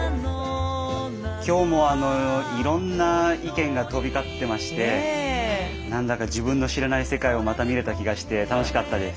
今日もいろんな意見が飛び交ってまして何だか自分の知らない世界をまた見れた気がして楽しかったです。